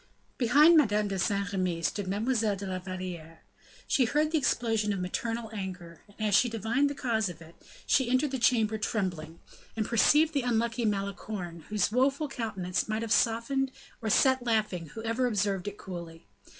Behind Madame de Saint Remy stood Mademoiselle de la Valliere. She heard the explosion of maternal anger, and as she divined the cause of it, she entered the chamber trembling, and perceived the unlucky Malicorne, whose woeful countenance might have softened or set laughing whoever observed it coolly.